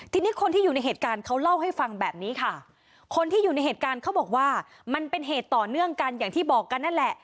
ทีนี้คนที่อยู่ในเหตุการณ์เขาเล่าให้ฟังแบบนี้ค่ะคนที่อยู่ในเหตุการณ์เขาบอกว่ามันเป็นเหตุต่อเนื่องกันอย่างที่บอกกันนั่นแหละ